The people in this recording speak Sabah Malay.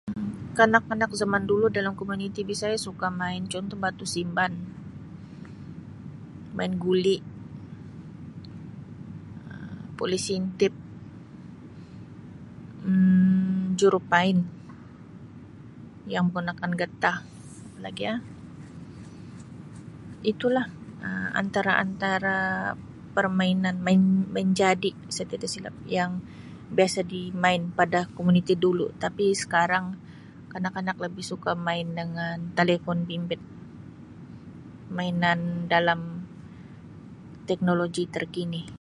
Kanak-kanak zaman dulu dalam komuniti Bisaya suka main contoh batu simban main guli Um pulis intip Um jurupain yang gunakan getah apa lagi Um itu lah Um antara antara permainan main main jadi saya tidak silap yang biasa dimain pada komuniti dulu tapi sekarang kanak-kanak lebih suka main dengan telefon bimbit mainan dalam teknologi terkini.